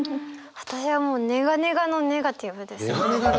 私はもうネガネガのネガティブです。